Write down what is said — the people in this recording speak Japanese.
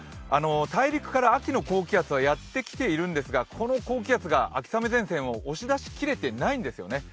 大陸から秋の高気圧はやってきてはいるんですが、この高気圧が秋雨前線を押し出しきれてないんですよね。